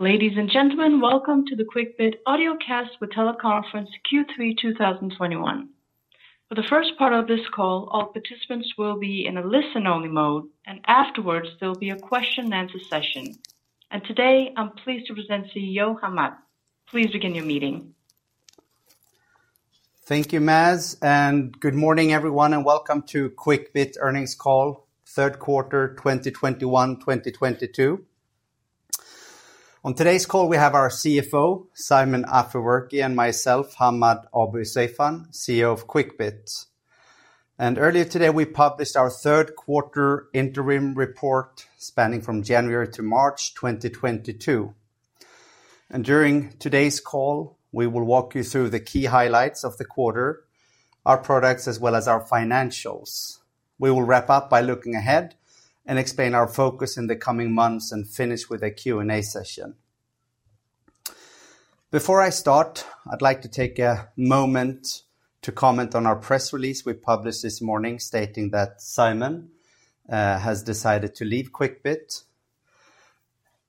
Ladies and gentlemen, welcome to the Quickbit audiocast for teleconference Q3 2021. For the first part of this call, all participants will be in a listen-only mode, and afterwards there'll be a question and answer session. Today, I'm pleased to present CEO Hammad. Please begin your meeting. Thank you, Maz, and good morning, everyone, and welcome to Quickbit earnings call third quarter 2021/2022. On today's call, we have our CFO, Simon Afeworki, and myself, Hammad Abuiseifan, CEO of Quickbit. Earlier today, we published our third quarter interim report spanning from January to March 2022. During today's call, we will walk you through the key highlights of the quarter, our products, as well as our financials. We will wrap up by looking ahead and explain our focus in the coming months and finish with a Q&A session. Before I start, I'd like to take a moment to comment on our press release we published this morning stating that Simon has decided to leave Quickbit.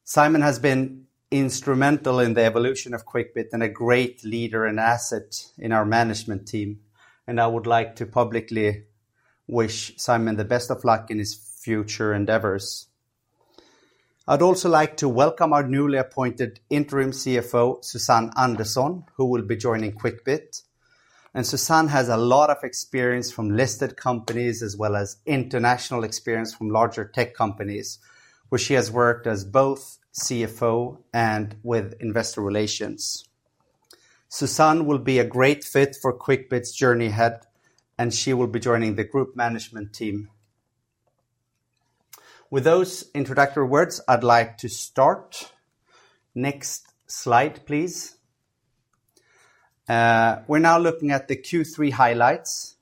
Simon has been instrumental in the evolution of Quickbit and a great leader and asset in our management team, and I would like to publicly wish Simon the best of luck in his future endeavors. I'd also like to welcome our newly appointed Interim CFO, Susanne Andersson, who will be joining Quickbit. Susanne has a lot of experience from listed companies as well as international experience from larger tech companies, where she has worked as both CFO and with investor relations. Susanne will be a great fit for Quickbit's journey ahead, and she will be joining the group management team. With those introductory words, I'd like to start. Next slide, please. We're now looking at the Q3 highlights.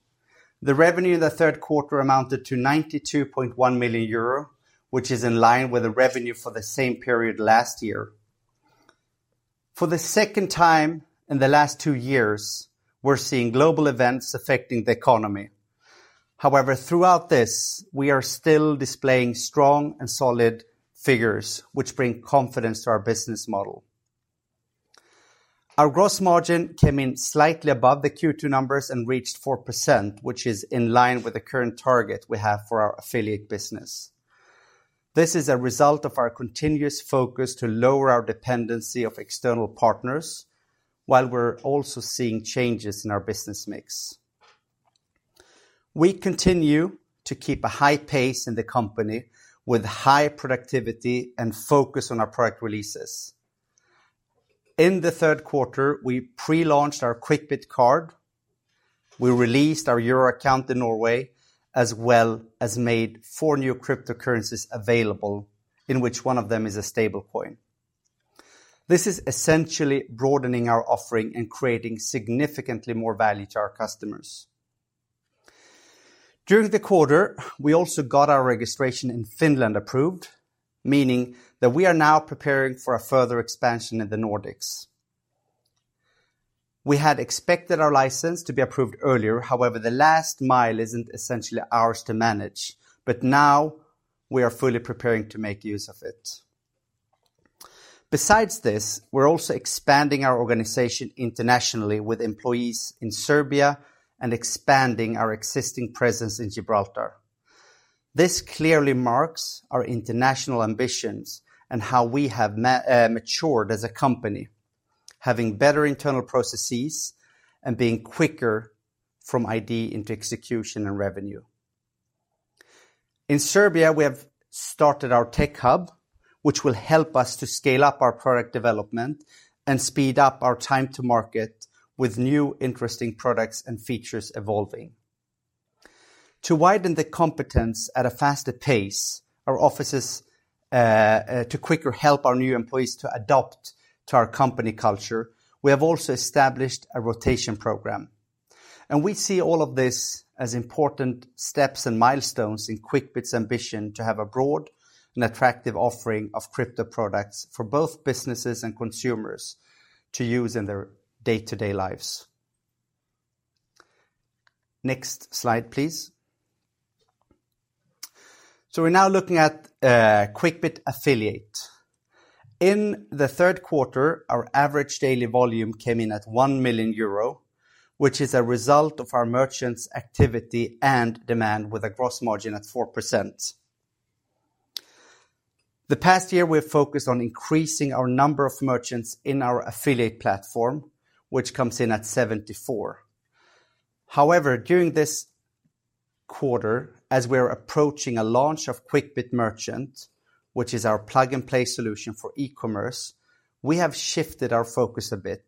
The revenue in the third quarter amounted to 92.1 million euro, which is in line with the revenue for the same period last year. For the second time in the last two years, we're seeing global events affecting the economy. However, throughout this, we are still displaying strong and solid figures, which bring confidence to our business model. Our gross margin came in slightly above the Q2 numbers and reached 4%, which is in line with the current target we have for our affiliate business. This is a result of our continuous focus to lower our dependency of external partners, while we're also seeing changes in our business mix. We continue to keep a high pace in the company with high productivity and focus on our product releases. In the third quarter, we pre-launched our Quickbit Card. We released our Euro account in Norway, as well as made four new cryptocurrencies available, in which one of them is a stablecoin. This is essentially broadening our offering and creating significantly more value to our customers. During the quarter, we also got our registration in Finland approved, meaning that we are now preparing for a further expansion in the Nordics. We had expected our license to be approved earlier. However, the last mile isn't essentially ours to manage, but now we are fully preparing to make use of it. Besides this, we're also expanding our organization internationally with employees in Serbia and expanding our existing presence in Gibraltar. This clearly marks our international ambitions and how we have matured as a company, having better internal processes and being quicker from idea into execution and revenue. In Serbia, we have started our tech hub, which will help us to scale up our product development and speed up our time to market with new interesting products and features evolving. To widen the competence at a faster pace, our offices, to quicker help our new employees to adopt to our company culture, we have also established a rotation program. We see all of this as important steps and milestones in Quickbit's ambition to have a broad and attractive offering of crypto products for both businesses and consumers to use in their day-to-day lives. Next slide, please. We're now looking at Quickbit Affiliate. In the third quarter, our average daily volume came in at 1 million euro, which is a result of our merchants activity and demand with a gross margin at 4%. The past year, we're focused on increasing our number of merchants in our affiliate platform, which comes in at 74. However, during this quarter, as we're approaching a launch of Quickbit Merchant, which is our plug-and-play solution for e-commerce, we have shifted our focus a bit,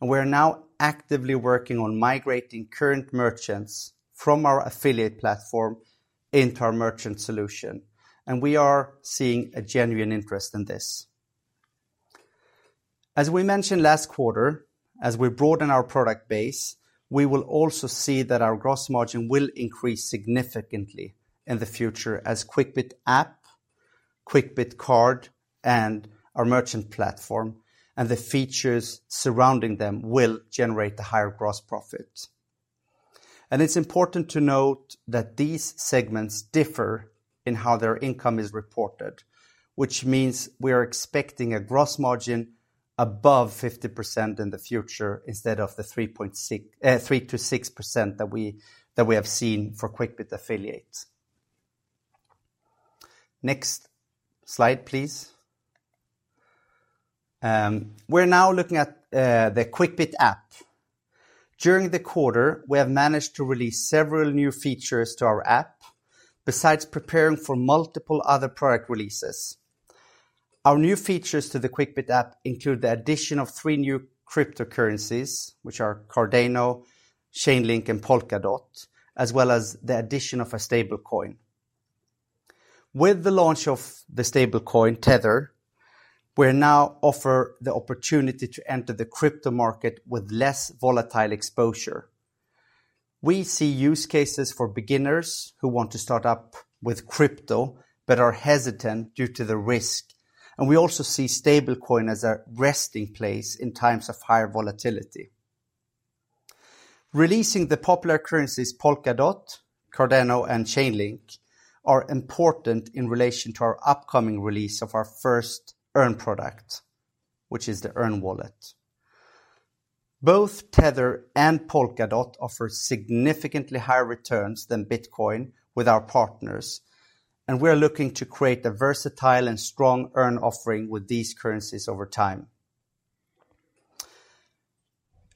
and we're now actively working on migrating current merchants from our affiliate platform into our merchant solution, and we are seeing a genuine interest in this. As we mentioned last quarter, as we broaden our product base, we will also see that our gross margin will increase significantly in the future as Quickbit app, Quickbit Card, and our merchant platform, and the features surrounding them will generate a higher gross profit. It's important to note that these segments differ in how their income is reported, which means we are expecting a gross margin above 50% in the future instead of the 3%-6% that we have seen for Quickbit Affiliate. Next slide, please. We're now looking at the Quickbit app. During the quarter, we have managed to release several new features to our app, besides preparing for multiple other product releases. Our new features to the Quickbit app include the addition of three new cryptocurrencies, which are Cardano, Chainlink, and Polkadot, as well as the addition of a stablecoin. With the launch of the stablecoin Tether, we're now offering the opportunity to enter the crypto market with less volatile exposure. We see use cases for beginners who want to start up with crypto but are hesitant due to the risk, and we also see stablecoin as a resting place in times of higher volatility. Releasing the popular currencies Polkadot, Cardano, and Chainlink are important in relation to our upcoming release of our first earn product, which is the Earn Wallet. Both Tether and Polkadot offer significantly higher returns than Bitcoin with our partners, and we're looking to create a versatile and strong earn offering with these currencies over time.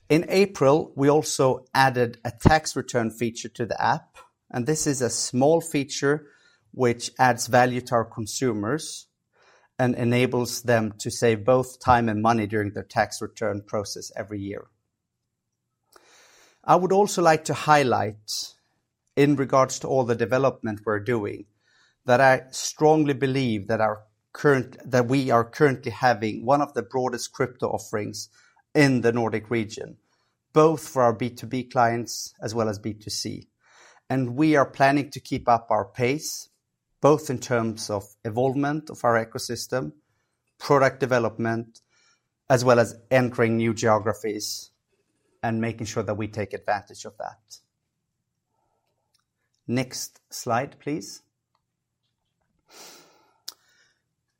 In April, we also added a tax return feature to the app, and this is a small feature which adds value to our consumers and enables them to save both time and money during their tax return process every year. I would also like to highlight, in regards to all the development we're doing, that I strongly believe that we are currently having one of the broadest crypto offerings in the Nordic region, both for our B2B clients as well as B2C. We are planning to keep up our pace, both in terms of evolvement of our ecosystem, product development, as well as entering new geographies and making sure that we take advantage of that. Next slide, please.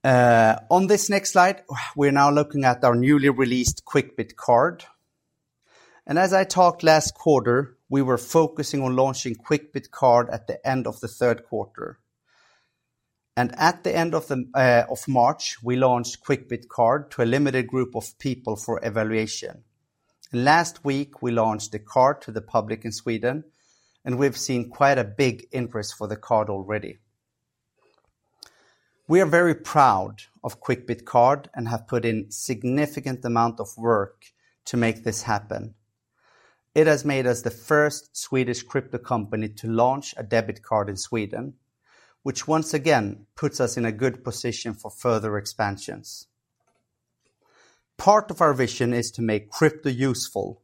On this next slide, we're now looking at our newly released Quickbit Card. As I talked last quarter, we were focusing on launching Quickbit Card at the end of the third quarter. At the end of March, we launched Quickbit Card to a limited group of people for evaluation. Last week, we launched the card to the public in Sweden, and we've seen quite a big interest for the card already. We are very proud of Quickbit Card and have put in significant amount of work to make this happen. It has made us the first Swedish crypto company to launch a debit card in Sweden, which once again puts us in a good position for further expansions. Part of our vision is to make crypto useful,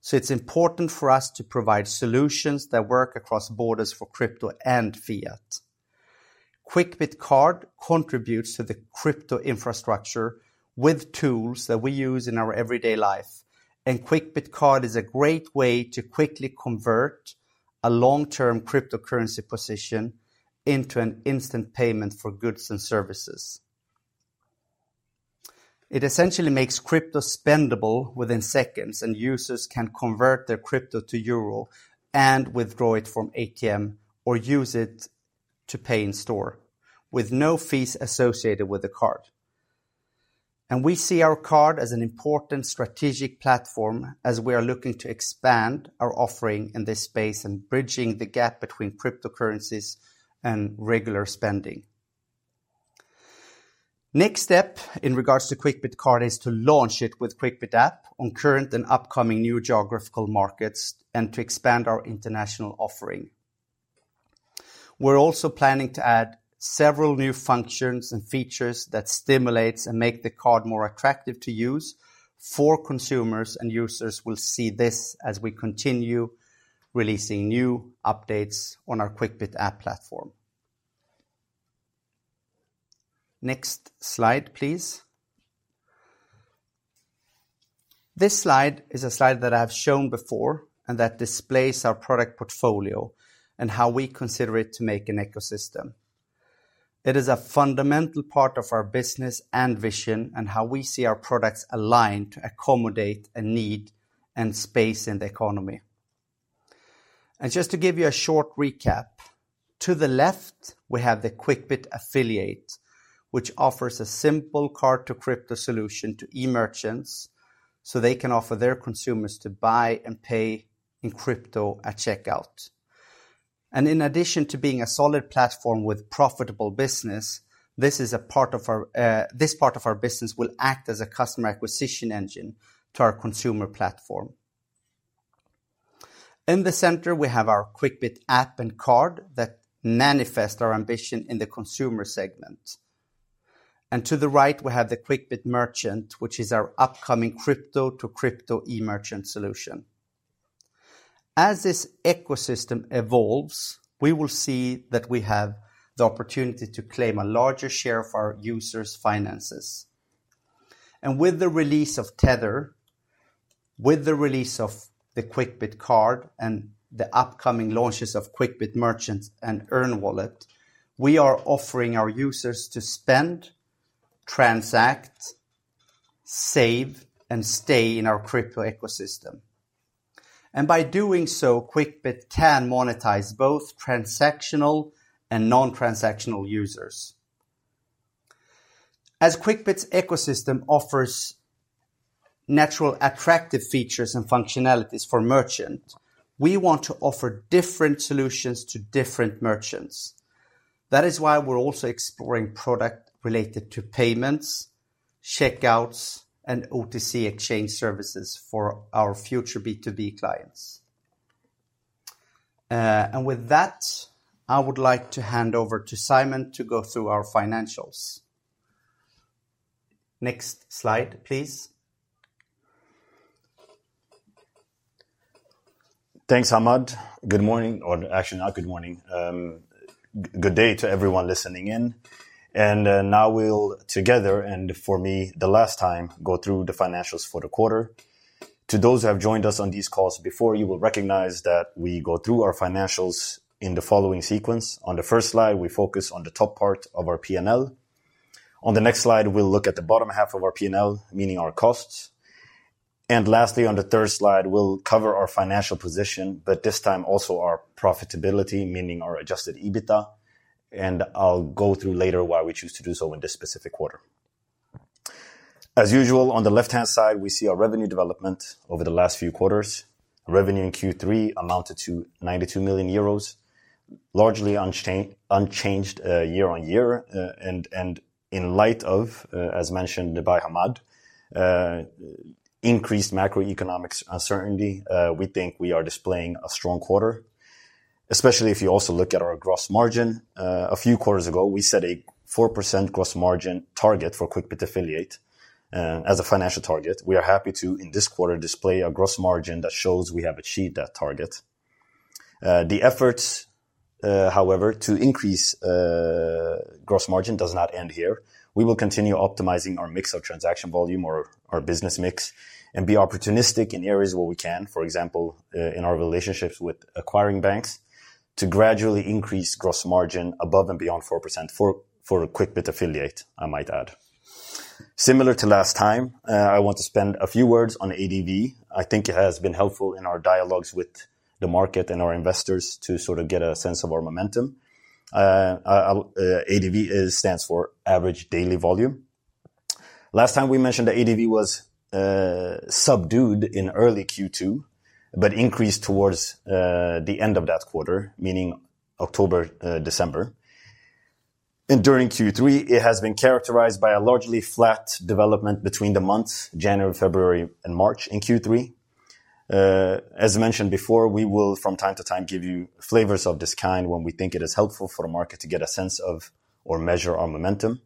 so it's important for us to provide solutions that work across borders for crypto and fiat. Quickbit Card contributes to the crypto infrastructure with tools that we use in our everyday life, and Quickbit Card is a great way to quickly convert a long-term cryptocurrency position into an instant payment for goods and services. It essentially makes crypto spendable within seconds, and users can convert their crypto to euro and withdraw it from ATM or use it to pay in store with no fees associated with the card. We see our card as an important strategic platform as we are looking to expand our offering in this space and bridging the gap between cryptocurrencies and regular spending. Next step in regards to Quickbit Card is to launch it with Quickbit app on current and upcoming new geographical markets and to expand our international offering. We're also planning to add several new functions and features that stimulates and make the card more attractive to use for consumers, and users will see this as we continue releasing new updates on our Quickbit app platform. Next slide, please. This slide is a slide that I've shown before and that displays our product portfolio and how we consider it to make an ecosystem. It is a fundamental part of our business and vision and how we see our products align to accommodate a need and space in the economy. Just to give you a short recap, to the left, we have the Quickbit Affiliate, which offers a simple card-to-crypto solution to e-merchants, so they can offer their consumers to buy and pay in crypto at checkout. In addition to being a solid platform with profitable business, this is a part of our, this part of our business will act as a customer acquisition engine to our consumer platform. In the center, we have our Quickbit app and card that manifest our ambition in the consumer segment. To the right, we have the Quickbit Merchant, which is our upcoming crypto-to-crypto e-merchant solution. As this ecosystem evolves, we will see that we have the opportunity to claim a larger share of our users' finances. With the release of Tether, with the release of the Quickbit Card and the upcoming launches of Quickbit Merchants and Earn Wallet, we are offering our users to spend, transact, save, and stay in our crypto ecosystem. By doing so, Quickbit can monetize both transactional and non-transactional users. As Quickbit's ecosystem offers natural attractive features and functionalities for merchants, we want to offer different solutions to different merchants. That is why we're also exploring products related to payments, checkouts, and OTC exchange services for our future B2B clients. With that, I would like to hand over to Simon to go through our financials. Next slide, please. Thanks, Hammad. Good morning, or actually not good morning. Good day to everyone listening in. Now we'll together, and for me, the last time, go through the financials for the quarter. To those who have joined us on these calls before, you will recognize that we go through our financials in the following sequence. On the first slide, we focus on the top part of our P&L. On the next slide, we'll look at the bottom half of our P&L, meaning our costs. Lastly, on the third slide, we'll cover our financial position, but this time also our profitability, meaning our adjusted EBITDA. I'll go through later why we choose to do so in this specific quarter. As usual, on the left-hand side, we see our revenue development over the last few quarters. Revenue in Q3 amounted to 92 million euros, largely unchanged year on year, and in light of, as mentioned by Hammad, increased macroeconomic uncertainty, we think we are displaying a strong quarter, especially if you also look at our gross margin. A few quarters ago, we set a 4% gross margin target for Quickbit Affiliate as a financial target. We are happy to, in this quarter, display a gross margin that shows we have achieved that target. The efforts, however, to increase gross margin does not end here. We will continue optimizing our mix of transaction volume or our business mix and be opportunistic in areas where we can, for example, in our relationships with acquiring banks to gradually increase gross margin above and beyond 4% for a Quickbit Affiliate, I might add. Similar to last time, I want to spend a few words on ADV. I think it has been helpful in our dialogues with the market and our investors to sort of get a sense of our momentum. ADV stands for average daily volume. Last time we mentioned the ADV was subdued in early Q2, but increased towards the end of that quarter, meaning October, December. During Q3, it has been characterized by a largely flat development between the months January, February and March in Q3. As mentioned before, we will from time to time give you flavors of this kind when we think it is helpful for the market to get a sense of or measure our momentum.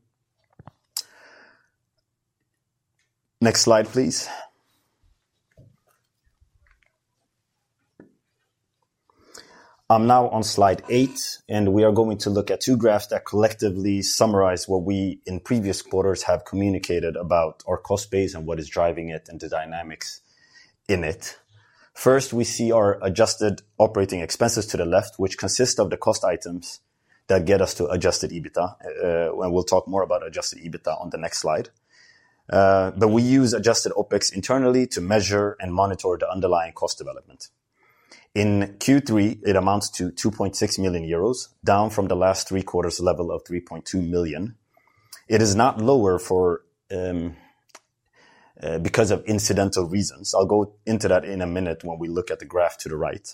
Next slide, please. I'm now on slide eight, and we are going to look at two graphs that collectively summarize what we in previous quarters have communicated about our cost base and what is driving it and the dynamics in it. First, we see our adjusted operating expenses to the left, which consist of the cost items that get us to adjusted EBITDA. We'll talk more about adjusted EBITDA on the next slide. We use adjusted OpEx internally to measure and monitor the underlying cost development. In Q3, it amounts to 2.6 million euros, down from the last three quarters level of 3.2 million. It is not lower because of incidental reasons. I'll go into that in a minute when we look at the graph to the right.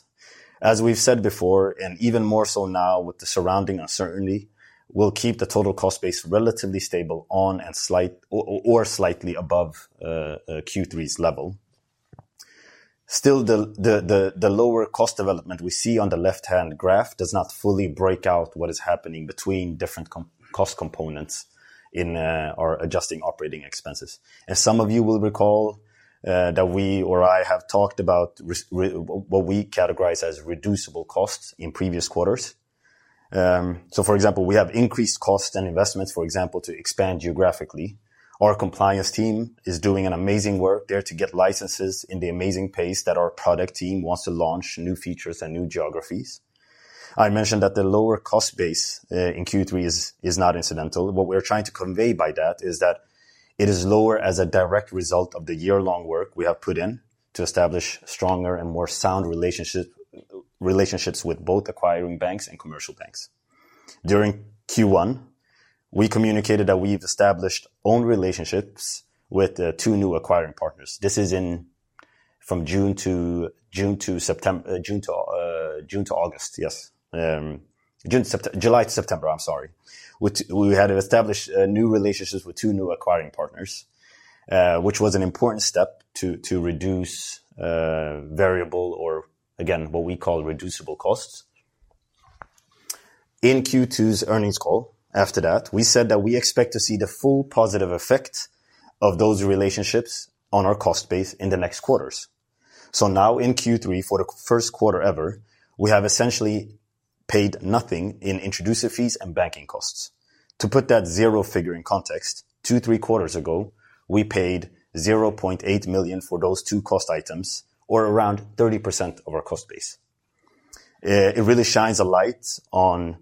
As we've said before, and even more so now with the surrounding uncertainty, we'll keep the total cost base relatively stable, or slightly above Q3's level. Still, the lower cost development we see on the left-hand graph does not fully break out what is happening between different cost components in our adjusted operating expenses. As some of you will recall, that we or I have talked about what we categorize as reducible costs in previous quarters. For example, we have increased costs and investments, for example, to expand geographically. Our compliance team is doing an amazing work there to get licenses in the amazing pace that our product team wants to launch new features and new geographies. I mentioned that the lower cost base in Q3 is not incidental. What we're trying to convey by that is that it is lower as a direct result of the year-long work we have put in to establish stronger and more sound relationships with both acquiring banks and commercial banks. During Q1, we communicated that we've established own relationships with two new acquiring partners. This is from July to September, I'm sorry. Which we had established new relationships with two new acquiring partners, which was an important step to reduce variable or again, what we call reducible costs. In Q2's earnings call after that, we said that we expect to see the full positive effect of those relationships on our cost base in the next quarters. Now in Q3, for the first quarter ever, we have essentially paid nothing in introducer fees and banking costs. To put that zero figure in context, two-three quarters ago, we paid 0.8 million for those two cost items, or around 30% of our cost base. It really shines a light on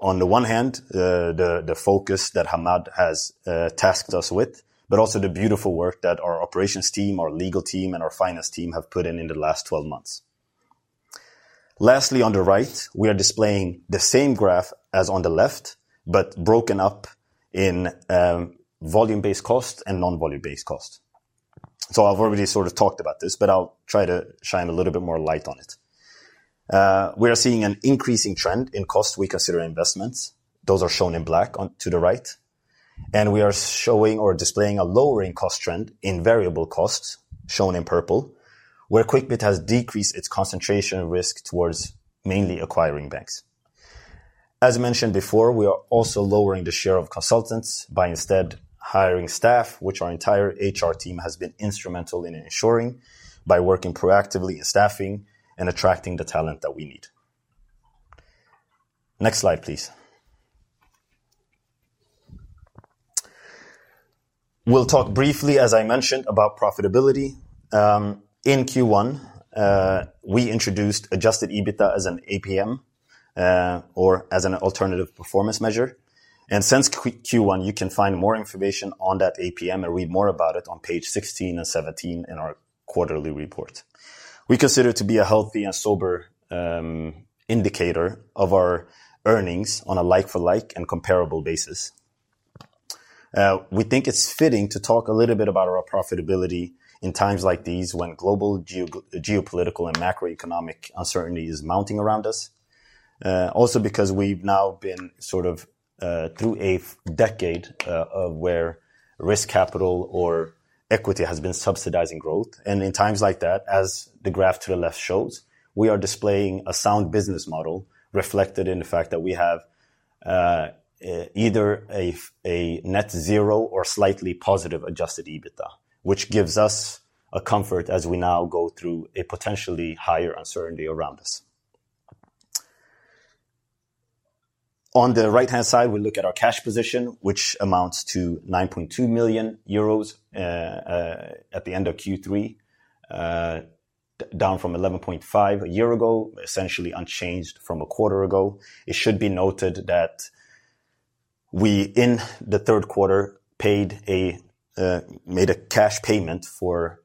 the one hand, the focus that Hammad has tasked us with, but also the beautiful work that our operations team, our legal team, and our finance team have put in in the last 12 months. Lastly, on the right, we are displaying the same graph as on the left, but broken up in volume-based cost and non-volume based cost. I've already sort of talked about this, but I'll try to shine a little bit more light on it. We are seeing an increasing trend in costs we consider investments. Those are shown in black on to the right, and we are showing a lowering cost trend in variable costs, shown in purple, where Quickbit has decreased its concentration risk towards mainly acquiring banks. As mentioned before, we are also lowering the share of consultants by instead hiring staff, which our entire HR team has been instrumental in ensuring by working proactively in staffing and attracting the talent that we need. Next slide, please. We'll talk briefly, as I mentioned, about profitability. In Q1, we introduced adjusted EBITDA as an APM, or as an alternative performance measure. Since Q1, you can find more information on that APM and read more about it on page 16 and 17 in our quarterly report. We consider it to be a healthy and sober indicator of our earnings on a like for like and comparable basis. We think it's fitting to talk a little bit about our profitability in times like these when global geopolitical and macroeconomic uncertainty is mounting around us. Also because we've now been sort of through a decade of where risk capital or equity has been subsidizing growth. In times like that, as the graph to the left shows, we are displaying a sound business model reflected in the fact that we have either a net zero or slightly positive adjusted EBITDA, which gives us a comfort as we now go through a potentially higher uncertainty around us. On the right-hand side, we look at our cash position, which amounts to 9.2 million euros at the end of Q3, down from 11.5 million a year ago, essentially unchanged from a quarter ago. It should be noted that we in the third quarter made a cash payment for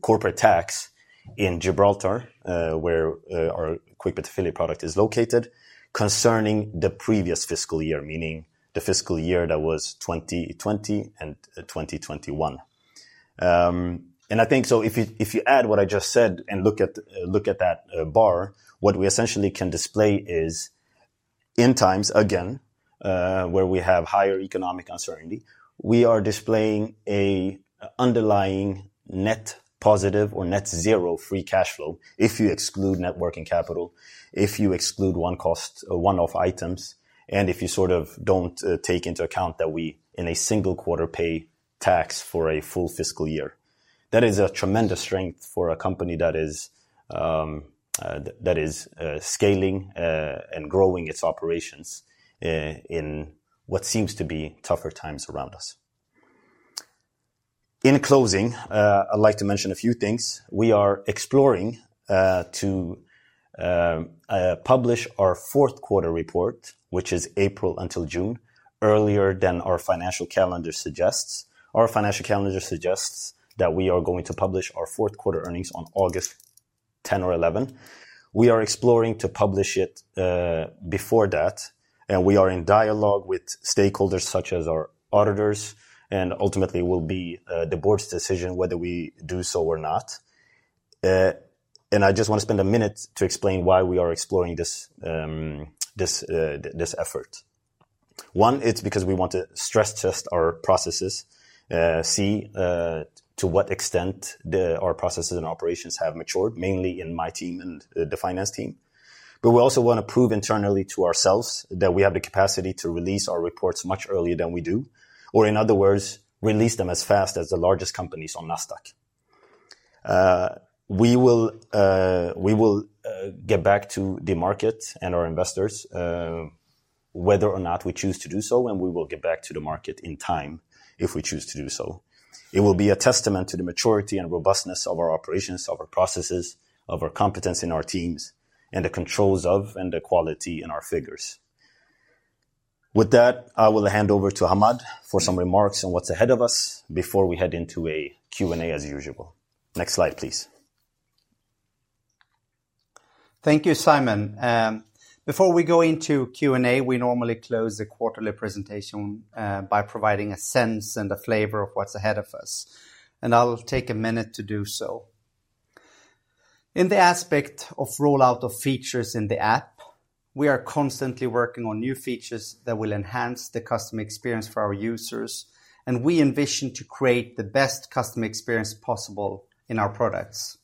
corporate tax in Gibraltar, where our Quickbit Affiliate product is located concerning the previous fiscal year, meaning the fiscal year that was 2020 and 2021. I think if you add what I just said and look at that bar, what we essentially can display is in times, again, where we have higher economic uncertainty, we are displaying an underlying net positive or net zero free cash flow if you exclude net working capital, if you exclude one-off items, and if you sort of don't take into account that we in a single quarter pay tax for a full fiscal year. That is a tremendous strength for a company that is scaling and growing its operations in what seems to be tougher times around us. In closing, I'd like to mention a few things. We are exploring to publish our fourth quarter report, which is April until June, earlier than our financial calendar suggests. Our financial calendar suggests that we are going to publish our fourth quarter earnings on August 10 or 11. We are exploring to publish it before that, and we are in dialogue with stakeholders such as our auditors and ultimately it will be the board's decision whether we do so or not. I just want to spend a minute to explain why we are exploring this effort. One, it's because we want to stress test our processes to see to what extent our processes and operations have matured, mainly in my team and the finance team. We also wanna prove internally to ourselves that we have the capacity to release our reports much earlier than we do, or in other words, release them as fast as the largest companies on Nasdaq. We will get back to the market and our investors whether or not we choose to do so, and we will get back to the market in time if we choose to do so. It will be a testament to the maturity and robustness of our operations, of our processes, of our competence in our teams, and the controls of and the quality in our figures. With that, I will hand over to Hammad for some remarks on what's ahead of us before we head into a Q&A as usual. Next slide, please. Thank you, Simon. Before we go into Q&A, we normally close the quarterly presentation by providing a sense and a flavor of what's ahead of us, and I'll take a minute to do so. In the aspect of rollout of features in the app, we are constantly working on new features that will enhance the customer experience for our users, and we envision to create the best customer experience possible in our products.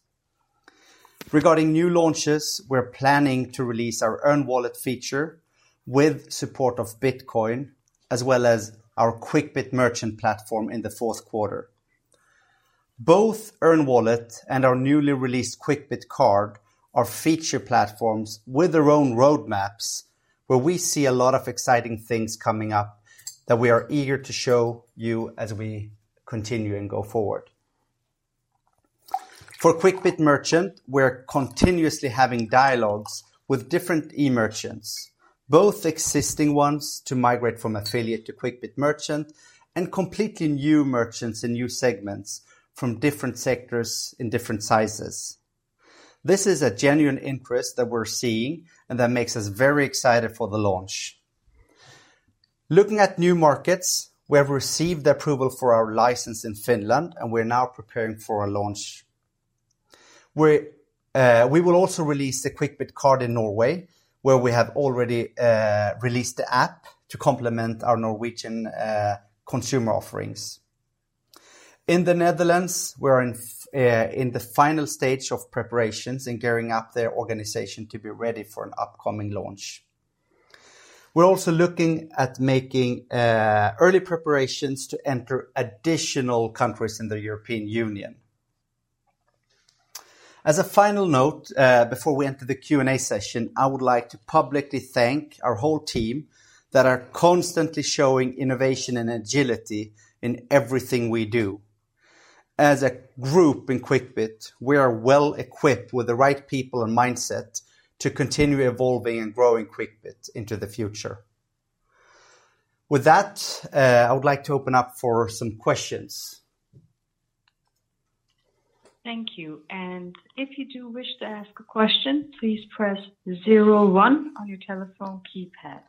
Regarding new launches, we're planning to release our Earn Wallet feature with support of Bitcoin, as well as our Quickbit Merchant platform in the fourth quarter. Both Earn Wallet and our newly released Quickbit Card are feature platforms with their own roadmaps, where we see a lot of exciting things coming up that we are eager to show you as we continue and go forward. For Quickbit Merchant, we're continuously having dialogues with different e-merchants, both existing ones to migrate from Quickbit Affiliate to Quickbit Merchant and completely new merchants in new segments from different sectors in different sizes. This is a genuine interest that we're seeing, and that makes us very excited for the launch. Looking at new markets, we have received the approval for our license in Finland, and we're now preparing for a launch. We will also release the Quickbit Card in Norway, where we have already released the app to complement our Norwegian consumer offerings. In the Netherlands, we're in the final stage of preparations and gearing up their organization to be ready for an upcoming launch. We're also looking at making early preparations to enter additional countries in the European Union. As a final note, before we enter the Q&A session, I would like to publicly thank our whole team that are constantly showing innovation and agility in everything we do. As a group in Quickbit, we are well equipped with the right people and mindset to continue evolving and growing Quickbit into the future. With that, I would like to open up for some questions. Thank you. If you do wish to ask a question, please press zero one on your telephone keypad.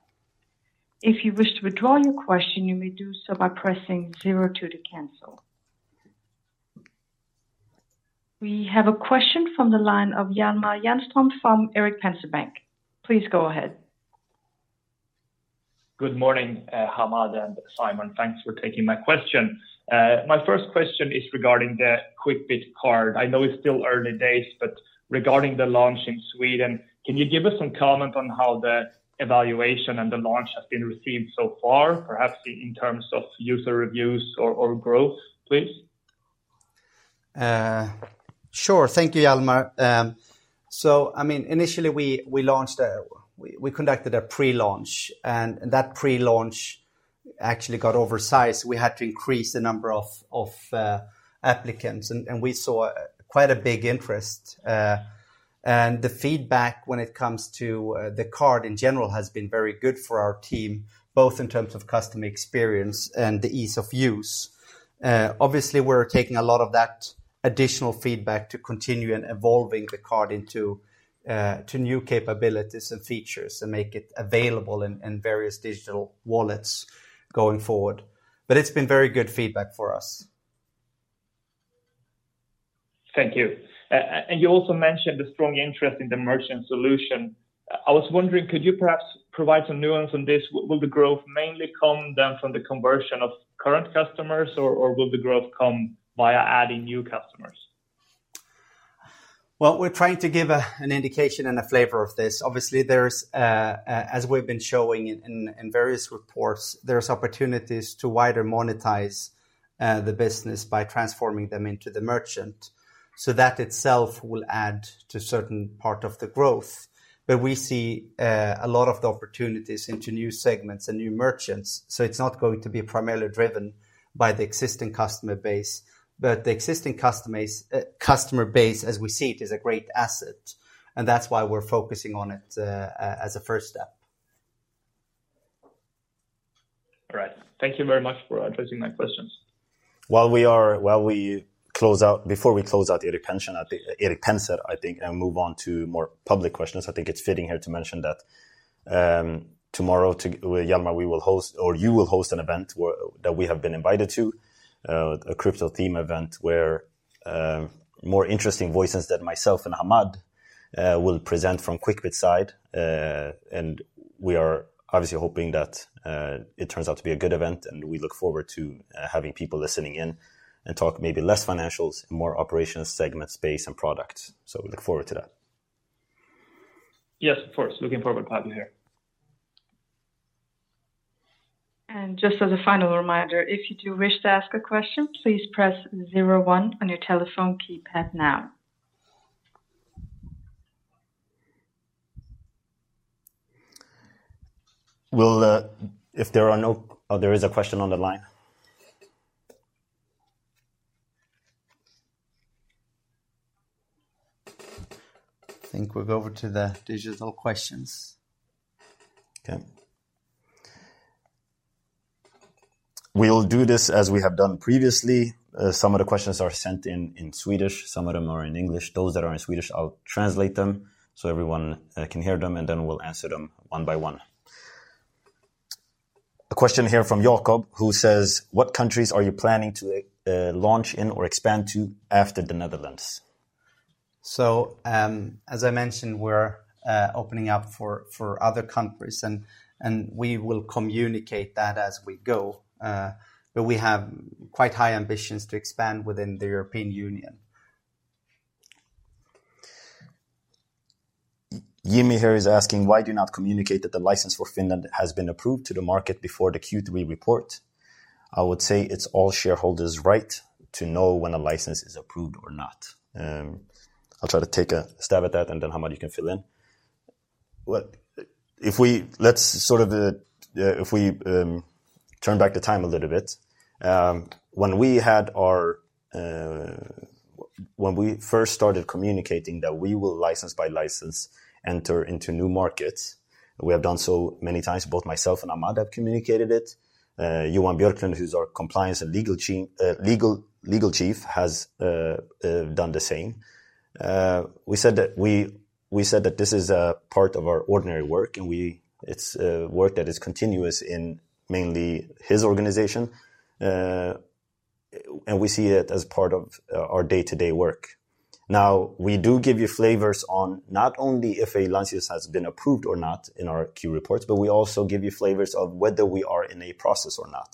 If you wish to withdraw your question, you may do so by pressing zero two to cancel. We have a question from the line of Hjalmar Jernström from Erik Penser Bank. Please go ahead. Good morning, Hammad and Simon. Thanks for taking my question. My first question is regarding the Quickbit Card. I know it's still early days, but regarding the launch in Sweden, can you give us some comment on how the evaluation and the launch has been received so far, perhaps in terms of user reviews or growth, please? Sure. Thank you, Hjalmar. I mean, initially, we conducted a pre-launch, and that pre-launch actually got oversubscribed. We had to increase the number of applicants, and we saw quite a big interest. The feedback when it comes to the card in general has been very good for our team, both in terms of customer experience and the ease of use. Obviously, we're taking a lot of that additional feedback to continue in evolving the card into to new capabilities and features and make it available in various digital wallets going forward. It's been very good feedback for us. Thank you. You also mentioned the strong interest in the merchant solution. I was wondering, could you perhaps provide some nuance on this? Will the growth mainly come then from the conversion of current customers or will the growth come via adding new customers? Well, we're trying to give an indication and a flavor of this. Obviously, as we've been showing in various reports, there's opportunities to further monetize the business by transforming them into the merchant. That itself will add to certain part of the growth. We see a lot of the opportunities in new segments and new merchants, so it's not going to be primarily driven by the existing customer base. The existing customer base, as we see it, is a great asset, and that's why we're focusing on it as a first step. All right. Thank you very much for addressing my questions. While we close out the Erik Penser, I think, and move on to more public questions, I think it's fitting here to mention that, tomorrow with Hjalmar, we will host or you will host an event that we have been invited to, a crypto theme event where, more interesting voices than myself and Hamad, will present from Quickbit side. We are obviously hoping that it turns out to be a good event, and we look forward to having people listening in and talk maybe less financials and more operational segment space and products. We look forward to that. Yes, of course. Looking forward to having you here. Just as a final reminder, if you do wish to ask a question, please press zero one on your telephone keypad now. Will. Oh, there is a question on the line. I think we'll go over to the digital questions. Okay. We'll do this as we have done previously. Some of the questions are sent in Swedish, some of them are in English. Those that are in Swedish, I'll translate them so everyone can hear them, and then we'll answer them one by one. A question here from Jacob, who says: What countries are you planning to launch in or expand to after the Netherlands? As I mentioned, we're opening up for other countries and we will communicate that as we go. We have quite high ambitions to expand within the European Union. Jimmy here is asking, why do you not communicate that the license for Finland has been approved to the market before the Q3 report? I would say it's all shareholders' right to know when a license is approved or not. I'll try to take a stab at that, and then, Hammad, you can fill in. Well, if we turn back the time a little bit, when we first started communicating that we will license by license enter into new markets, we have done so many times, both myself and Hammad have communicated it. Johan Björklund, who's our compliance and legal chief, has done the same. We said that this is part of our ordinary work, and it's work that is continuous in mainly his organization, and we see it as part of our day-to-day work. We do give you flavors on not only if a license has been approved or not in our Q reports, but we also give you flavors of whether we are in a process or not.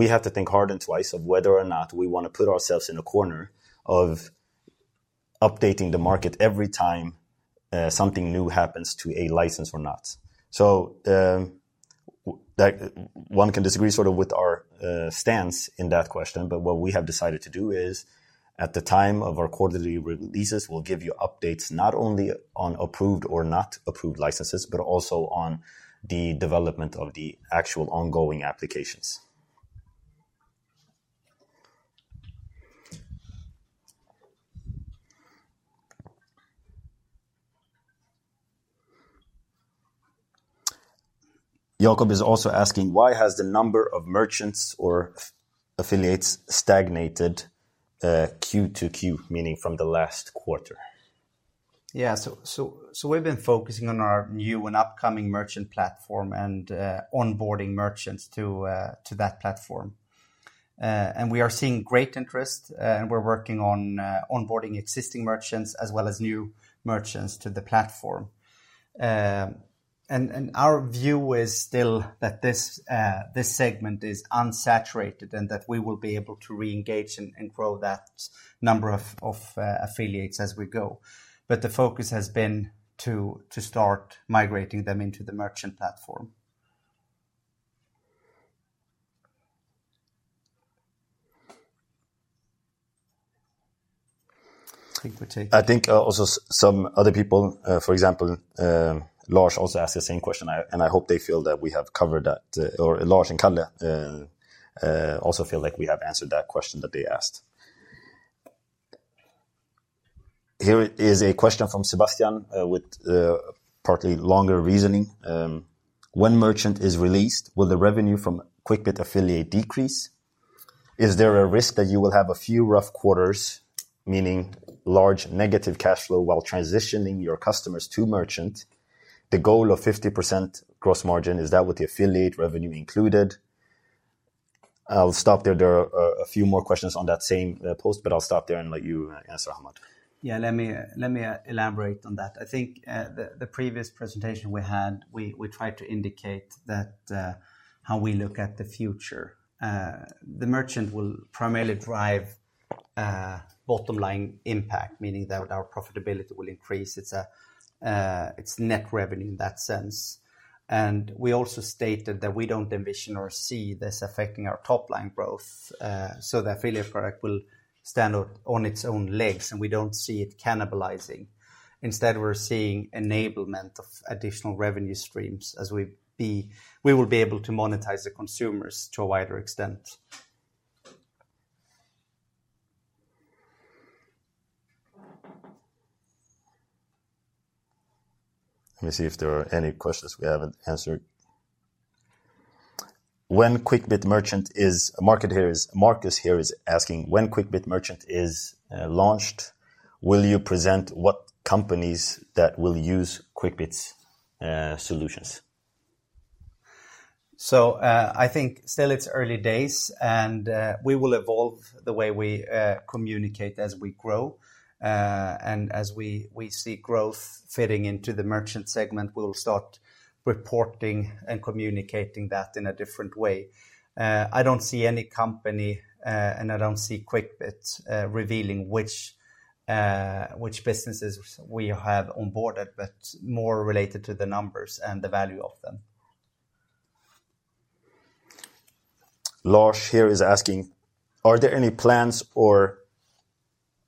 We have to think hard and twice of whether or not we wanna put ourselves in a corner of updating the market every time something new happens to a license or not. That one can disagree sort of with our stance in that question, but what we have decided to do is, at the time of our quarterly releases, we'll give you updates not only on approved or not approved licenses, but also on the development of the actual ongoing applications. Jakob is also asking, why has the number of merchants or affiliates stagnated, Q-to-Q? Meaning from the last quarter. Yeah. We've been focusing on our new and upcoming merchant platform and onboarding merchants to that platform. We are seeing great interest, and we're working on onboarding existing merchants as well as new merchants to the platform. Our view is still that this segment is unsaturated and that we will be able to re-engage and grow that number of affiliates as we go. The focus has been to start migrating them into the merchant platform. I think also some other people, for example, Lars also asked the same question. I hope they feel that we have covered that, or Lars and Kalle also feel like we have answered that question that they asked. Here is a question from Sebastian, with a partly longer reasoning. When merchant is released, will the revenue from Quickbit Affiliate decrease? Is there a risk that you will have a few rough quarters, meaning large negative cash flow while transitioning your customers to merchant? The goal of 50% gross margin, is that with the Affiliate revenue included? I'll stop there. There are a few more questions on that same post, but I'll stop there and let you answer, Hammad. Yeah. Let me elaborate on that. I think the previous presentation we had, we tried to indicate that how we look at the future. The merchant will primarily drive bottom line impact, meaning that our profitability will increase. It's net revenue in that sense. We also stated that we don't envision or see this affecting our top line growth. The affiliate product will stand on its own legs, and we don't see it cannibalizing. Instead, we're seeing enablement of additional revenue streams as we will be able to monetize the consumers to a wider extent. Let me see if there are any questions we haven't answered. Marcus here is asking, when Quickbit Merchant is launched, will you present what companies that will use Quickbit's solutions? I think still it's early days, and we will evolve the way we communicate as we grow. As we see growth fitting into the merchant segment, we'll start reporting and communicating that in a different way. I don't see any company, and I don't see Quickbit revealing which businesses we have onboarded, but more related to the numbers and the value of them. Lars here is asking, are there any plans or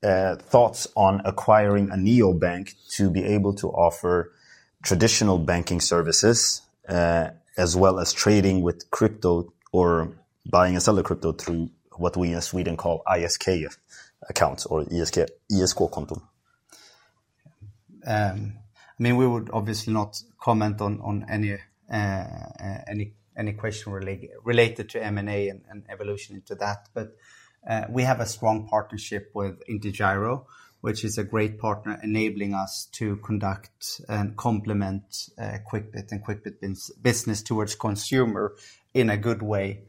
thoughts on acquiring a neobank to be able to offer traditional banking services as well as trading with crypto or buying and sell crypto through what we in Sweden call ISK accounts or [foreign languag? I mean, we would obviously not comment on any question regulatory-related to M&A and evolution into that. We have a strong partnership with DEGIRO, which is a great partner enabling us to conduct and complement Quickbit and Quickbit business towards consumer in a good way.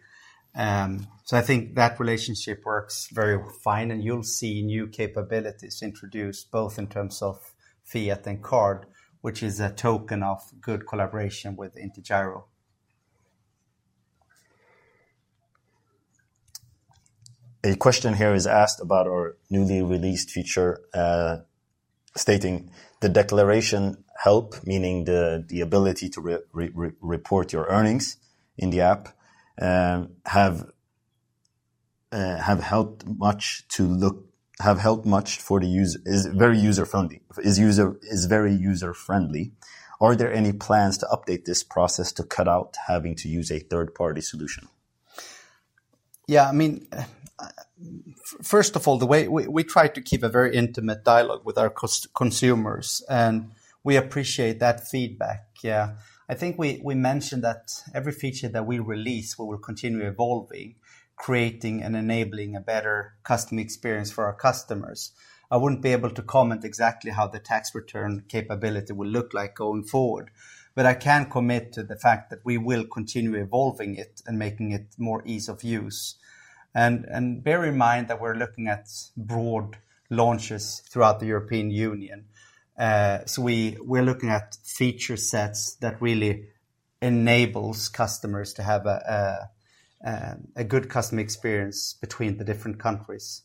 I think that relationship works very fine, and you'll see new capabilities introduced both in terms of fiat and card, which is a token of good collaboration with DEGIRO. A question here is asked about our newly released feature, stating the declaration help, meaning the ability to report your earnings in the app, have helped much for the user is very user-friendly. Are there any plans to update this process to cut out having to use a third-party solution? Yeah, I mean, first of all, we try to keep a very intimate dialogue with our consumers, and we appreciate that feedback. Yeah. I think we mentioned that every feature that we release will continue evolving, creating and enabling a better customer experience for our customers. I wouldn't be able to comment exactly how the tax return capability will look like going forward, but I can commit to the fact that we will continue evolving it and making it more ease of use. Bear in mind that we're looking at broad launches throughout the European Union. We're looking at feature sets that really enables customers to have a good customer experience between the different countries.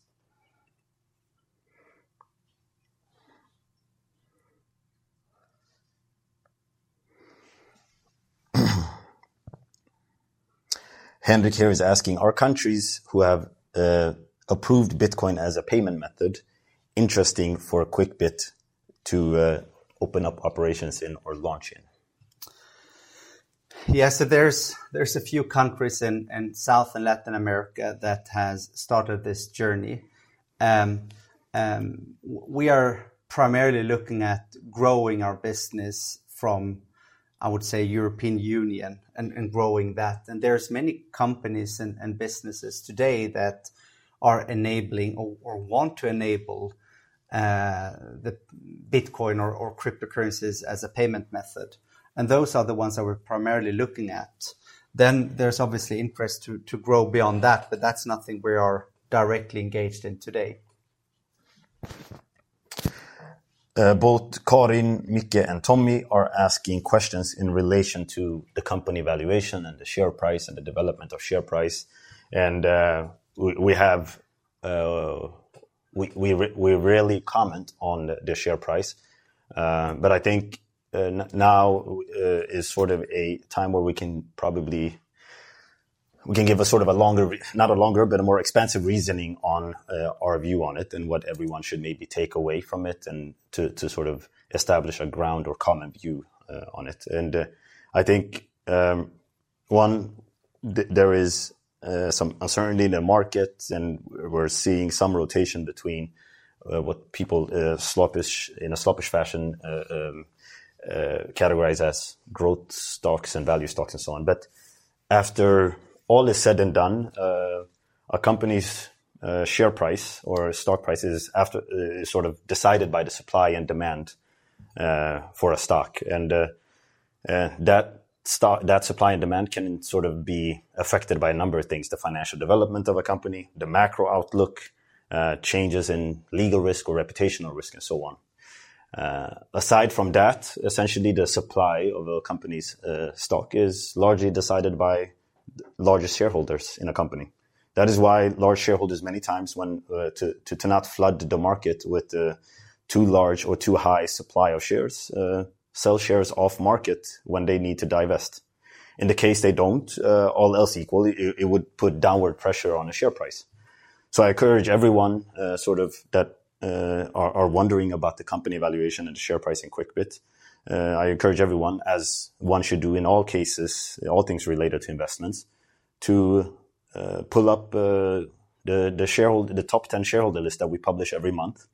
Henrik here is asking, are countries who have approved Bitcoin as a payment method interesting for Quickbit to open up operations in or launch in? Yes. There's a few countries in South and Latin America that has started this journey. We are primarily looking at growing our business from, I would say, European Union and growing that. There's many companies and businesses today that are enabling or want to enable the Bitcoin or cryptocurrencies as a payment method. Those are the ones that we're primarily looking at. There's obviously interest to grow beyond that, but that's nothing we are directly engaged in today. Both Karin, Micke, and Tommy are asking questions in relation to the company valuation and the share price and the development of share price. We rarely comment on the share price. But I think now is sort of a time where we can give a sort of a longer, not a longer, but a more expansive reasoning on our view on it and what everyone should maybe take away from it and to sort of establish a ground or common view on it. I think one, there is some uncertainty in the market, and we're seeing some rotation between what people sloppily, in a sloppy fashion, categorize as growth stocks and value stocks and so on. After all is said and done, a company's share price or stock price is sort of decided by the supply and demand for a stock. That supply and demand can sort of be affected by a number of things, the financial development of a company, the macro outlook, changes in legal risk or reputational risk and so on. Aside from that, essentially the supply of a company's stock is largely decided by largest shareholders in a company. That is why large shareholders many times when to not flood the market with a too large or too high supply of shares, sell shares off market when they need to divest. In the case they don't, all else equal, it would put downward pressure on a share price. I encourage everyone that are wondering about the company valuation and share price in Quickbit. I encourage everyone, as one should do in all cases, all things related to investments, to pull up the top ten shareholder list that we publish every month.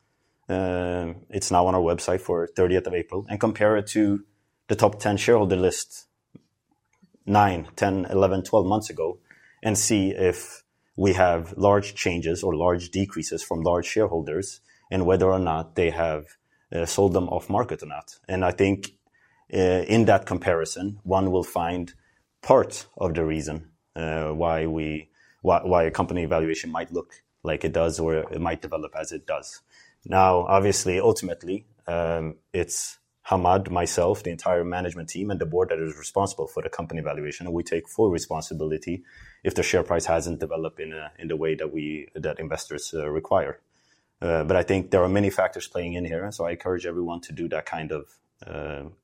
It's now on our website for thirtieth of April, and compare it to the top ten shareholder list nine, ten, eleven, twelve months ago and see if we have large changes or large decreases from large shareholders and whether or not they have sold them off market or not. I think in that comparison, one will find part of the reason why a company valuation might look like it does or it might develop as it does. Now, obviously, ultimately, it's Hammad, myself, the entire management team, and the board that is responsible for the company valuation. We take full responsibility if the share price hasn't developed in the way that investors require. I think there are many factors playing in here, and so I encourage everyone to do that kind of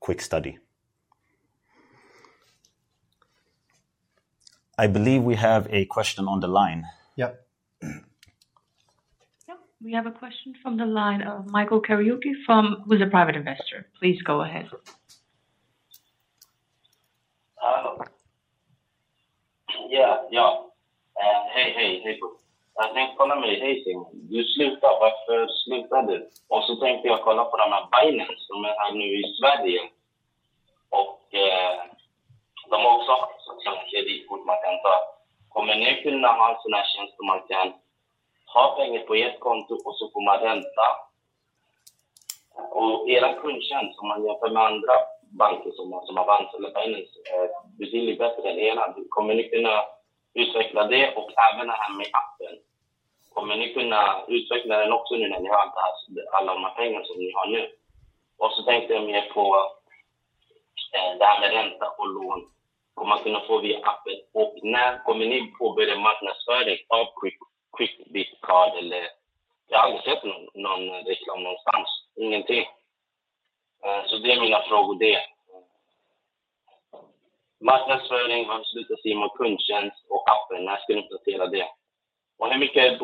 quick study. I believe we have a question on the line. Yeah. Yeah. We have a question from the line of Michael Kariuki, who's a private investor. Please go ahead. Hello. Yeah. Hey. Good. I think on a meeting, you stop.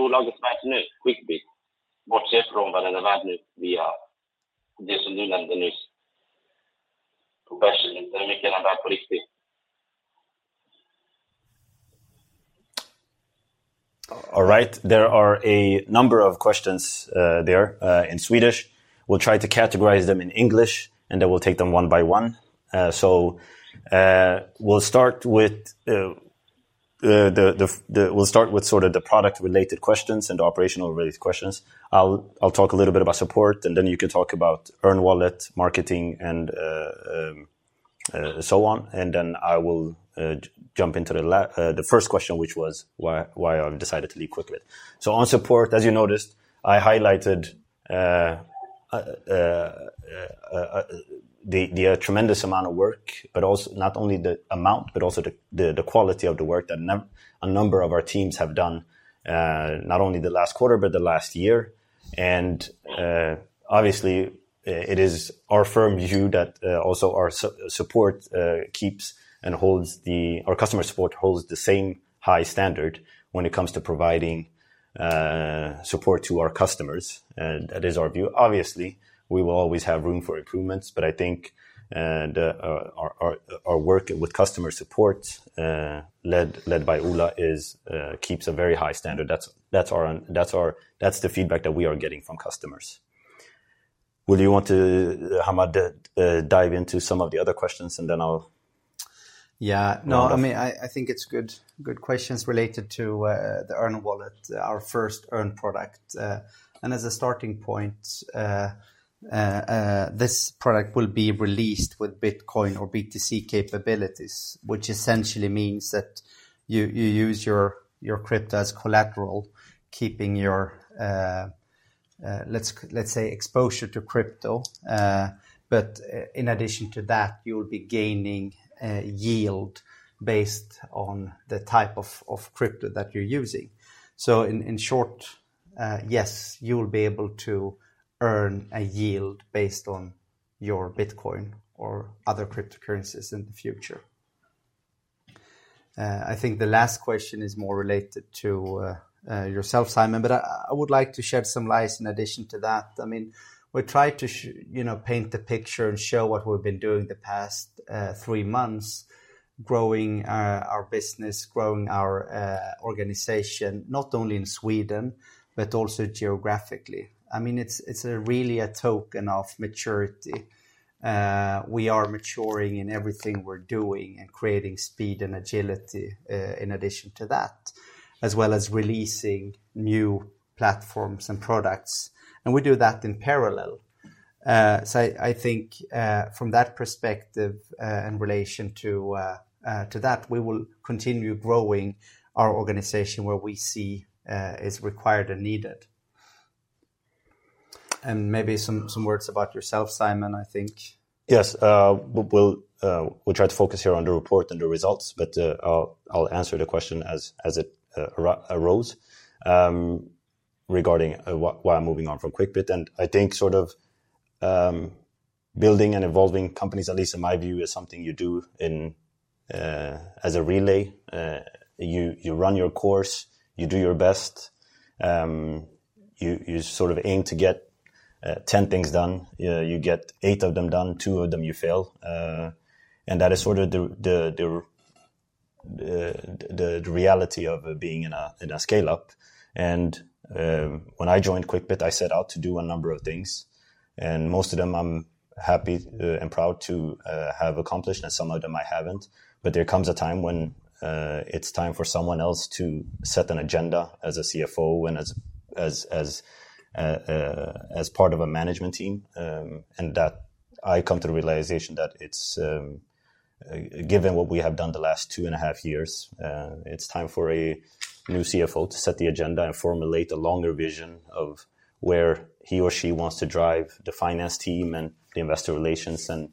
All right. There are a number of questions there in Swedish. We'll try to categorize them in English, and then we'll take them one by one. We'll start with sort of the product-related questions and the operational-related questions. I'll talk a little bit about support, and then you can talk about Earn Wallet, marketing, and so on. Then I will jump into the first question, which was why I've decided to leave Quickbit. On support, as you noticed, I highlighted the tremendous amount of work, but not only the amount, but also the quality of the work that a number of our teams have done, not only the last quarter but the last year. Obviously, it is our firm view that our customer support holds the same high standard when it comes to providing support to our customers. That is our view. Obviously, we will always have room for improvements, but I think our work with customer support, led by Ola, keeps a very high standard. That's our. That's the feedback that we are getting from customers. Would you want to, Hammad, dive into some of the other questions, and then I'll. Yeah. No, I mean, I think it's good questions related to the Earn Wallet, our first Earn product. As a starting point, this product will be released with Bitcoin or BTC capabilities, which essentially means that you use your crypto as collateral, keeping your, let's say, exposure to crypto. But in addition to that, you'll be gaining yield based on the type of crypto that you're using. In short, yes, you'll be able to earn a yield based on your Bitcoin or other cryptocurrencies in the future. I think the last question is more related to yourself, Simon, but I would like to shed some light in addition to that. I mean, we try to paint the picture and show what we've been doing the past three months, growing our business, growing our organization, not only in Sweden, but also geographically. I mean, it's really a token of maturity. We are maturing in everything we're doing and creating speed and agility, in addition to that, as well as releasing new platforms and products, and we do that in parallel. I think, from that perspective, in relation to that, we will continue growing our organization where we see is required and needed. Maybe some words about yourself, Simon, I think. Yes. We'll try to focus here on the report and the results, but I'll answer the question as it arose regarding why I'm moving on from Quickbit. I think sort of building and evolving companies, at least in my view, is something you do in as a relay. You run your course, you do your best. You sort of aim to get 10 things done. You get 8 of them done, 2 of them you fail. That is sort of the reality of being in a scale-up. When I joined Quickbit, I set out to do a number of things, and most of them I'm happy and proud to have accomplished, and some of them I haven't. There comes a time when it's time for someone else to set an agenda as a CFO and as part of a management team. I come to the realization that it's given what we have done the last two and a half years, it's time for a new CFO to set the agenda and formulate a longer vision of where he or she wants to drive the finance team and the investor relations and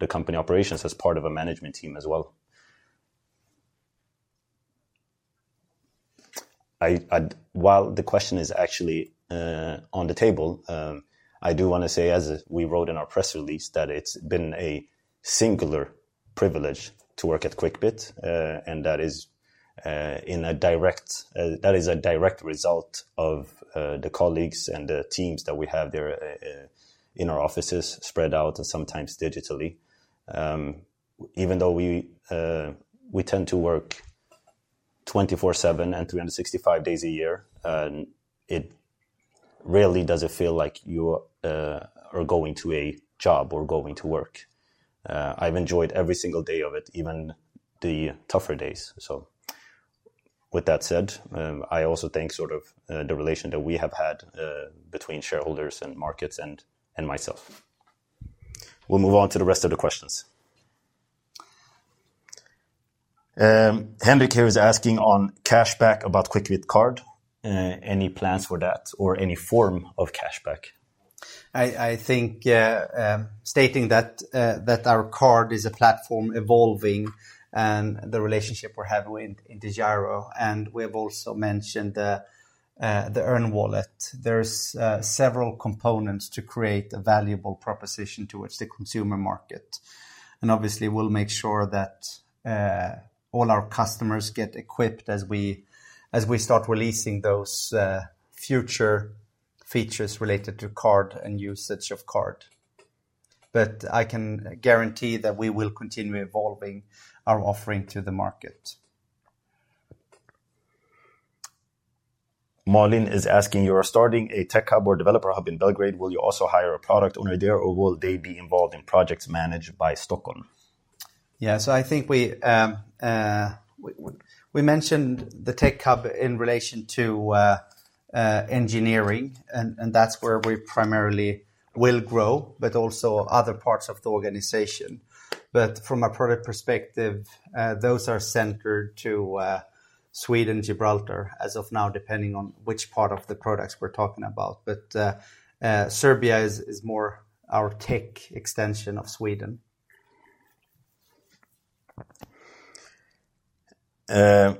the company operations as part of a management team as well. While the question is actually on the table, I do wanna say, as we wrote in our press release, that it's been a singular privilege to work at Quickbit, and that is a direct result of the colleagues and the teams that we have there in our offices spread out and sometimes digitally. Even though we tend to work 24/7 and 365 days a year, it really doesn't feel like you are going to a job or going to work. I've enjoyed every single day of it, even the tougher days. With that said, I also thank sort of the relation that we have had between shareholders and markets and myself. We'll move on to the rest of the questions. Henrik here is asking on cashback about Quickbit Card, any plans for that or any form of cashback? I think stating that our card is a platform evolving and the relationship we're having with DEGIRO, and we've also mentioned the Earn Wallet. There's several components to create a valuable proposition towards the consumer market. Obviously, we'll make sure that all our customers get equipped as we start releasing those future features related to card and usage of card. I can guarantee that we will continue evolving our offering to the market. Malin is asking, you are starting a tech hub or developer hub in Belgrade. Will you also hire a product owner there, or will they be involved in projects managed by Stockholm? Yeah. I think we mentioned the tech hub in relation to engineering, and that's where we primarily will grow, but also other parts of the organization. From a product perspective, those are centered to Sweden, Gibraltar as of now, depending on which part of the products we're talking about. Serbia is more our tech extension of Sweden. Adnan,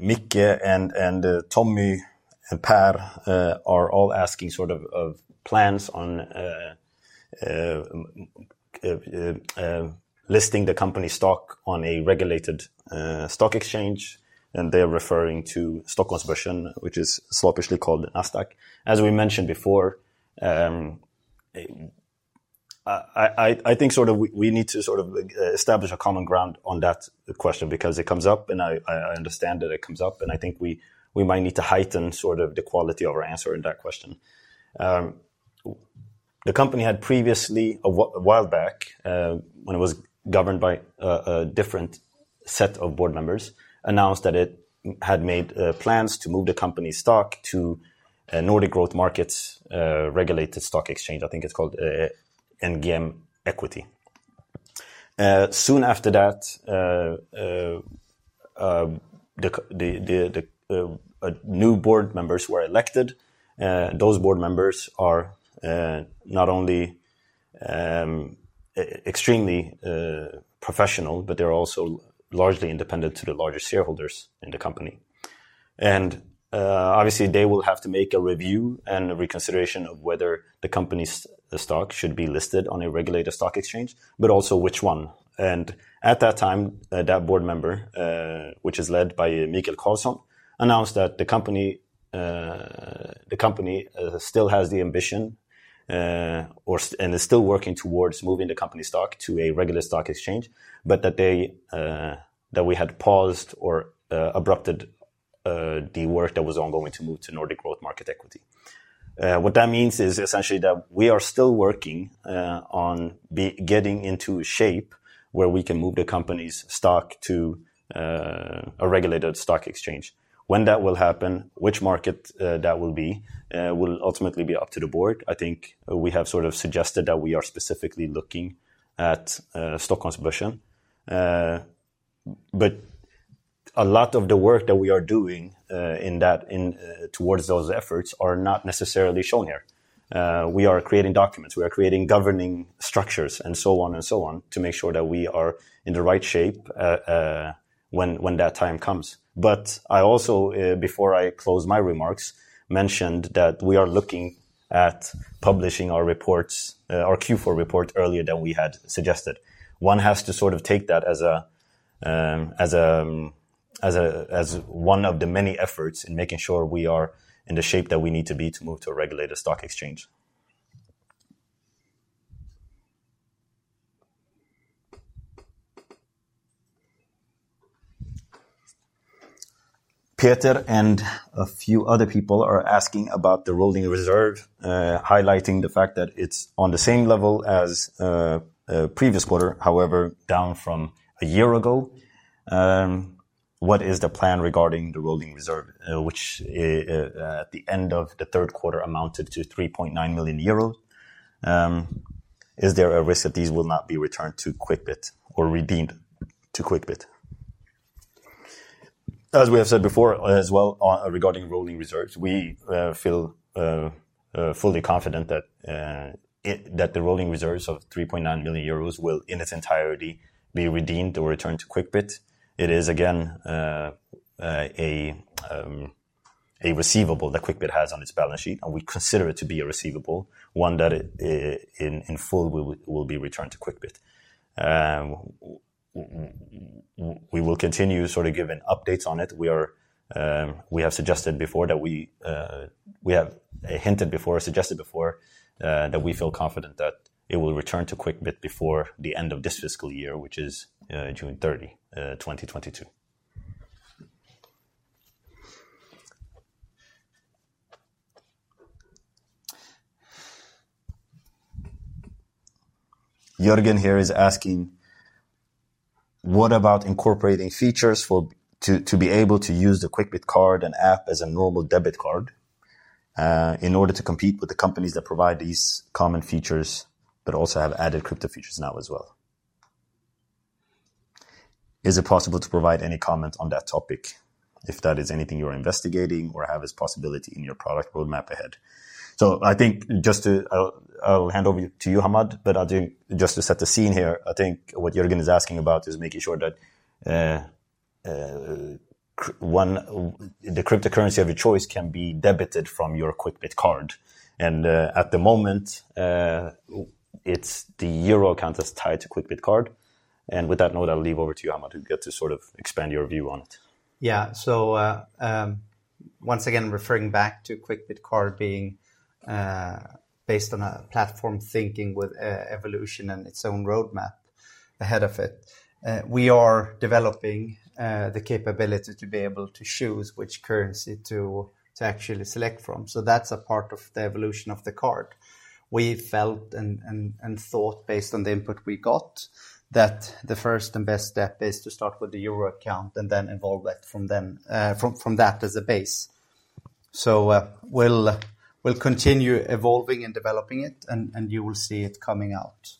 Micke and Tommy and Per are all asking sort of plans on listing the company stock on a regulated stock exchange, and they're referring to Stockholmsbörsen, which is sloppily called Nasdaq. As we mentioned before, I think sort of we need to sort of establish a common ground on that question because it comes up, and I understand that it comes up, and I think we might need to heighten sort of the quality of our answer in that question. The company had previously, a while back, when it was governed by a different set of board members, announced that it had made plans to move the company stock to a Nordic Growth Market regulated stock exchange. I think it's called NGM Equity. Soon after that, the new board members were elected. Those board members are not only extremely professional, but they're also largely independent to the larger shareholders in the company. Obviously, they will have to make a review and a reconsideration of whether the company's stock should be listed on a regulated stock exchange, but also which one. At that time, the board, which is led by Mikael Karlsson, announced that the company still has the ambition and is still working towards moving the company stock to a regulated stock exchange, but that we had paused or aborted the work that was ongoing to move to Nordic Growth Market equity. What that means is essentially that we are still working on getting into shape where we can move the company's stock to a regulated stock exchange. When that will happen, which market that will be, will ultimately be up to the board. I think we have sort of suggested that we are specifically looking at Stockholmsbörsen. A lot of the work that we are doing in that towards those efforts are not necessarily shown here. We are creating documents, we are creating governing structures and so on to make sure that we are in the right shape when that time comes. I also, before I close my remarks, mentioned that we are looking at publishing our reports, our Q4 report earlier than we had suggested. One has to sort of take that as one of the many efforts in making sure we are in the shape that we need to be to move to a regulated stock exchange. Peter and a few other people are asking about the rolling reserve, highlighting the fact that it's on the same level as previous quarter, however, down from a year ago. What is the plan regarding the rolling reserve, which at the end of the third quarter amounted to 3.9 million euros? Is there a risk that these will not be returned to Quickbit or redeemed to Quickbit? As we have said before as well, regarding rolling reserves, we feel fully confident that the rolling reserves of 3.9 million euros will, in its entirety, be redeemed or returned to Quickbit. It is again, a receivable that Quickbit has on its balance sheet, and we consider it to be a receivable, one that in full will be returned to Quickbit. We will continue sort of giving updates on it. We have suggested before that we have hinted before or suggested before that we feel confident that it will return to Quickbit before the end of this fiscal year, which is June 30, 2022. Jörgen here is asking. What about incorporating features to be able to use the Quickbit Card and app as a normal debit card, in order to compete with the companies that provide these common features but also have added crypto features now as well? Is it possible to provide any comment on that topic if that is anything you're investigating or have as possibility in your product roadmap ahead? I'll hand over to you, Hammad, but I think just to set the scene here, I think what Jörgen is asking about is making sure that one, the cryptocurrency of your choice can be debited from your Quickbit Card. At the moment, it's the euro account that's tied to Quickbit Card. With that note, I'll hand over to you, Hammad. You get to sort of expand your view on it. Yeah. Once again, referring back to Quickbit Card being based on a platform thinking with Evolution and its own roadmap ahead of it, we are developing the capability to be able to choose which currency to actually select from. That's a part of the evolution of the card. We felt and thought based on the input we got that the first and best step is to start with the euro account and then evolve that from that as a base. We'll continue evolving and developing it and you will see it coming out.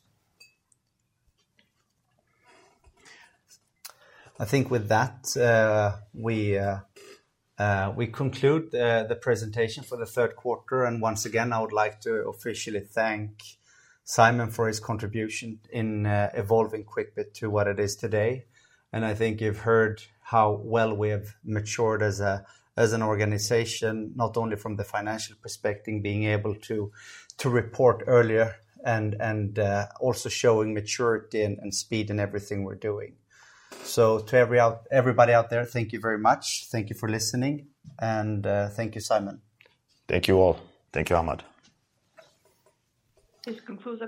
I think with that, we conclude the presentation for the third quarter. Once again, I would like to officially thank Simon for his contribution in evolving Quickbit to what it is today. I think you've heard how well we have matured as an organization, not only from the financial perspective, being able to report earlier and also showing maturity and speed in everything we're doing. To everybody out there, thank you very much. Thank you for listening. Thank you, Simon. Thank you all. Thank you, Hammad. This concludes.